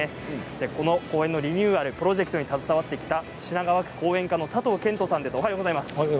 この公園のリニューアルプロジェクトに携わってきた品川区公園課の佐藤健人さんです。